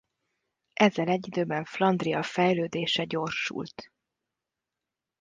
Ezzel egy időben Flandria fejlődése gyorsult.